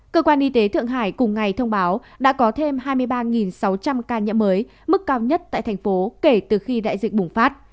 cơ quan y tế thượng hải cùng ngày thông báo đã có thêm hai mươi ba sáu trăm linh ca nhiễm mới mức cao nhất tại thành phố kể từ khi đại dịch bùng phát